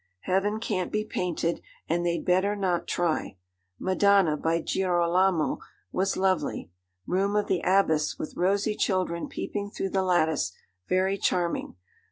Heaven can't be painted, and they'd better not try. Madonna, by Girolamo, was lovely. Room of the Abbess, with rosy children peeping through the lattice, very charming.